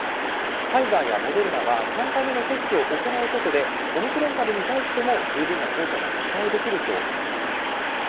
ファイザーやモデルナは３回目の接種を行うことで、オミクロン株に対しても十分な効果が期待できるとしています。